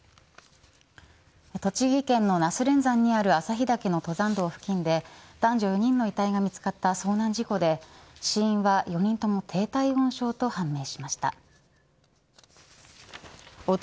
栃木県の那須連山にある朝日岳の登山道付近で男女４人の遺体が見つかった遭難事故で死因は４人とも低体温症と判明しました。